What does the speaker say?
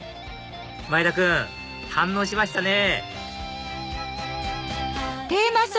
前田君堪能しましたね！